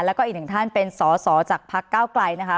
แล้วก็อีกหนึ่งท่านเป็นสอสอจากพักเก้าไกลนะคะ